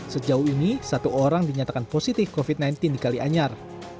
sejauh ini satu orang dinyatakan positif covid sembilan belas di kalianyar